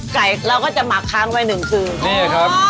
ไก่เราก็จะหมักค้างไว้๑คืน